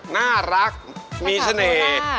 น่ารักมีเสน่ห์